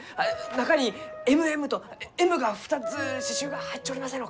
中に「ＭＭ」とＭが２つ刺しゅうが入っちょりませんろうか？